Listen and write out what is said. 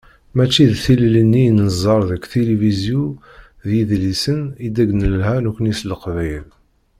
Mačči d tilelli-nni i nẓer deg tilifizyu d yidlisen i deg d-nelha nekkni s leqbayel.